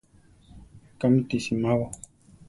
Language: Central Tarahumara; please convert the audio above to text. Kámi ti simabo?